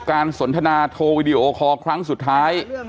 สนทนาโทรวิดีโอคอร์ครั้งสุดท้าย